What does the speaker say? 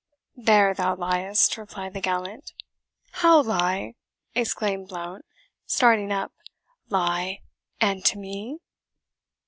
"There thou liest," replied the gallant. "How, lie!" exclaimed Blount, starting up, "lie! and to me?"